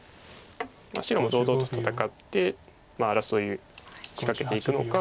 白も堂々と戦って争い仕掛けていくのか。